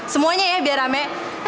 semuanya ya biar rame